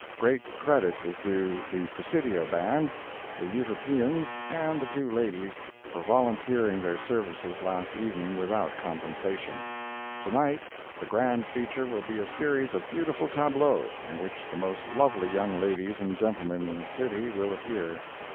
Great credit is due the Presidio Band, the Euterpeans and the two ladies, for volunteering their services last evening without compensation. To night the grand feature will be a series of beautiful tableaux, in which the most lovely young ladies and gentlemen in the city will appear.